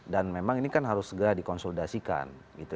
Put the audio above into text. dan memang ini kan harus segera dikonsultasikan